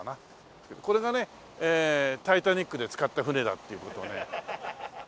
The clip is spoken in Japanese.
これがね『タイタニック』で使った船だっていう事をね。